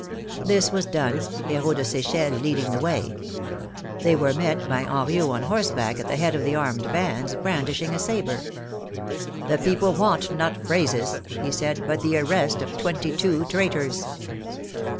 This was done, Herault de Sechelles leading the way. They were met by Henriot on horseback at the head of the armed bands, brandishing a sabre. " The people want not phrases," he said, but the arrest of twenty two traitors."